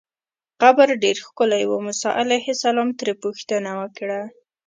قبر ډېر ښکلی و، موسی علیه السلام ترې پوښتنه وکړه.